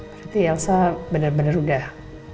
berarti elsa bener bener udah